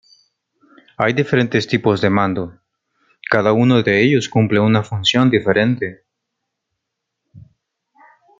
Hay diferentes tipos de mando; cada uno de ellos cumple una función diferente.